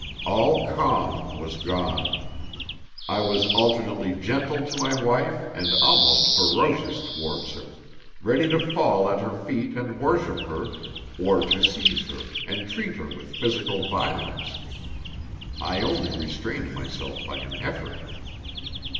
All calm was gone. I was alternately gentle to my wife and almost ferocious towards her, ready to fall at her feet and worship her or to seize her and treat her with physical violence. I only restrained myself by an effort.